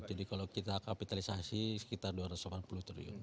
jadi kalau kita kapitalisasi sekitar dua ratus delapan puluh triliun